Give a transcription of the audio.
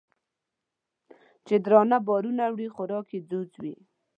چې درانه بارونه وړي خوراک یې ځوځ وي